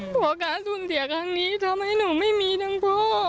เพราะการสูญเสียครั้งนี้ทำให้หนูไม่มีทั้งพ่อ